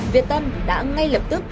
việt tân đã ngay lập tức